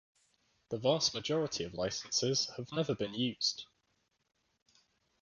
The vast majority of licences have never been used.